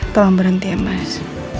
tolong berhenti ya mas